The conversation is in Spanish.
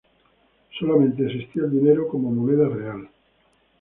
Solamente existía el dinero como moneda real.